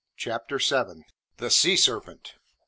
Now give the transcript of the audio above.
CHAPTER SEVEN. THE SEA SERPENT.